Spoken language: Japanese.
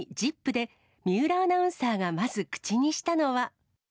で、水卜アナウンサーがまず口にしたのは。